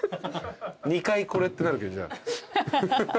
２回これってなるけどじゃあ。